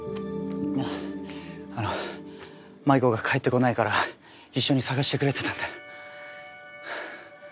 あの麻衣子が帰ってこないから一緒に捜してくれてたんだよ。